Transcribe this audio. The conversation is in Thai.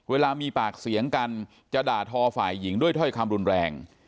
เวลามีปากเสียงกันจะด่าทอฝ่ายหญิงด้วยถ้อยคำรุนแรง